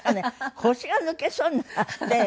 腰が抜けそうになって。